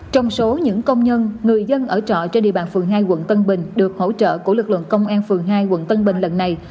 trong số những công nhân người dân ở trọ trên địa bàn phường hai quận tân bình được hỗ trợ của lực lượng công an phường hai quận tân bình lần này